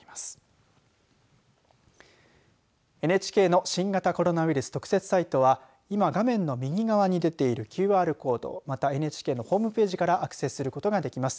ＮＨＫの新型コロナウイルス特設サイトは今画面の右側に出ているＱＲコードまたＮＨＫのホームページからもアクセスすることができます。